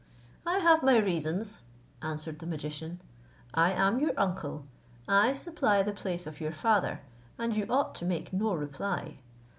"I have my reasons," answered the magician: "I am your uncle, I supply the place of your father, and you ought to make no reply.